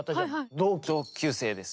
同級生です。